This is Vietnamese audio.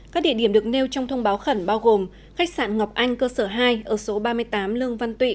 các địa điểm được nêu trong thông báo khẩn bao gồm khách sạn ngọc anh cơ sở hai ở số ba mươi tám lương văn tụy